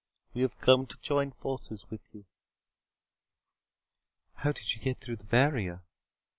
We have come to join forces with you." "How did you get through the barrier?"